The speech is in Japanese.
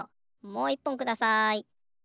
もういっぽんください。